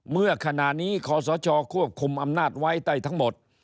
เมื่อขณะนี้ขอสชควบคุมอำนาจไว้ได้ทั้งหมด